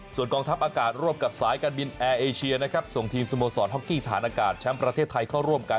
ส่วนกองทัพอากาศร่วมกับสายการบินแอร์เอเชียนะครับส่งทีมสโมสรฮอกกี้ฐานอากาศแชมป์ประเทศไทยเข้าร่วมกัน